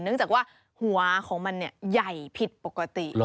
เนื่องจากว่าหัวของมันใหญ่ผิดปกติ